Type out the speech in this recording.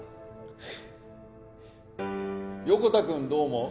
横田君どう思う？